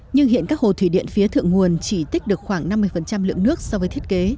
nhưng hiện các hồ thủy điện phía thượng nguồn chỉ tích được khoảng năm mươi lượng nước so với thiết kế